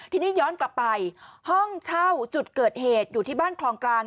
ทีนี้ย้อนกลับไปห้องเช่าจุดเกิดเหตุอยู่ที่บ้านคลองกลาง